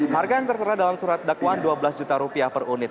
harga yang tertera dalam surat dakwaan dua belas juta rupiah per unit